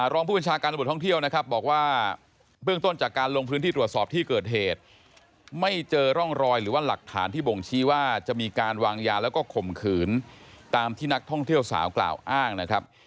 รองผู้บัญชาการตำรวจท่องเที่ยวนะครับบอกว่าเบื้องต้นจากการลงพื้นที่ตรวจสอบที่เกิดเหตุไม่เจอร่องรอยหรือว่าหลักฐานที่บ่งชี้ว่าจะมีการวางยาแล้วก็ข่มขืนตามที่นักท่องเที่ยวสาวกล่าวอ้างนะครับ